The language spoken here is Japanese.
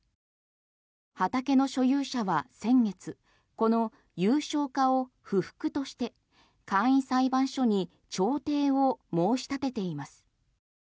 畑の所有者は先月この有償化を不服として簡易裁判所に調停を申し立てています。